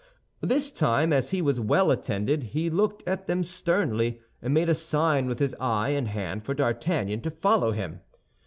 This time, as he was well attended, he looked at them sternly, and made a sign with his eye and hand for D'Artagnan to follow him.